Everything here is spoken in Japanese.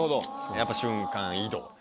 やっぱ瞬間移動ですね。